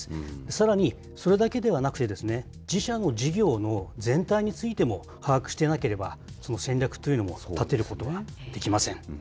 さらに、それだけではなくて、自社の事業の全体についても把握していなければ、戦略というのも立てることができません。